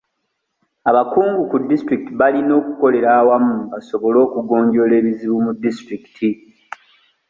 Abakungu ku disitulikiti balina okukolera awamu basobole okugonjoola ebizibu mu disitulikiti.